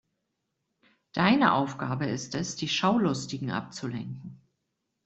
Deine Aufgabe ist es, die Schaulustigen abzulenken.